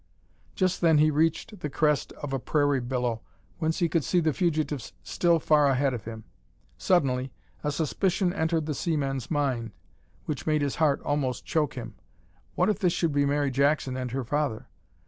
Just then he reached the crest of a prairie billow, whence he could see the fugitives still far ahead of him. Suddenly a suspicion entered the seaman's mind, which made his heart almost choke him. What if this should be Mary Jackson and her father?